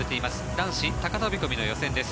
男子高飛込の予選です。